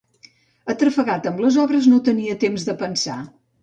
Atrafegat amb les obres, no tenia temps de pensar